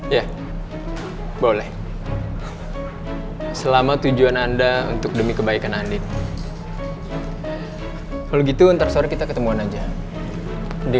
ya boleh selama tujuan anda untuk demi kebaikan anda kalau gitu ntar sorry kita ketemuan aja di